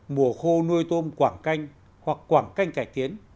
mùa khô nuôi tôm quảng canh hoặc quảng canh cải tiến